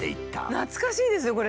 懐かしいですよこれ。